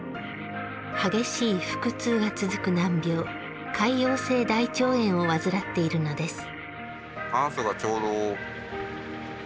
激しい腹痛が続く難病、潰瘍性大腸炎を患っているのです。